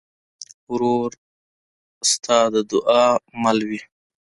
ورور د تا د دعا مل وي.